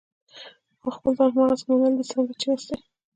او د خپل ځان هماغسې منل دي څرنګه چې یاستئ.